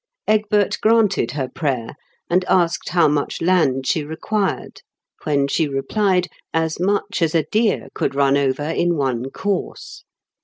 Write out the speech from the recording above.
Egbert granted her prayer, and asked how much land she required, when she replied, as much as a deer could run over in one course.